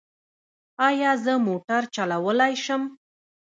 ایا زه موټر چلولی شم؟